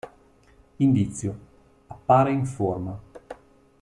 Indizio: appare in forma".